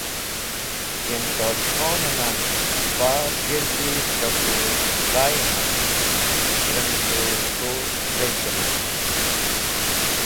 Yem Tosh Khon nan far g̃hirdi tra k̃hũ dhay nag, trem k̃hũ tru dheg̃h nag.